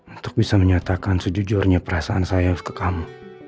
untuk bisa menyatakan sejujurnya perasaan saya ke kamu